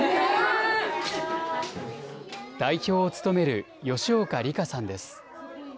代表を務める吉岡里香さんです。